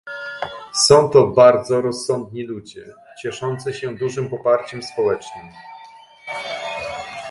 Są to bardzo rozsądni ludzie, cieszący się dużym poparciem społecznym